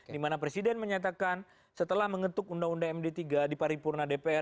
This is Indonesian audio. dimana presiden menyatakan setelah mengetuk undang undang md tiga di paripurna dpr